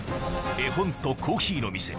絵本とコーヒーの店